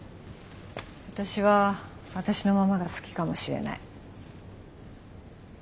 私は私のままが好きかもしれない。